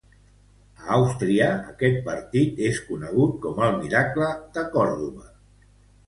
A Àustria, aquest partit és conegut com el Miracle de Còrdova.